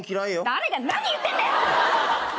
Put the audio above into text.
誰が何言ってんだよ！